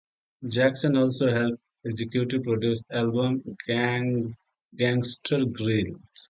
Jackson also helped executive produce the album "Gangsta Grillz".